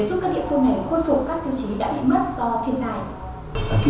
không còn đạt chuẩn như trước nữa vậy đối với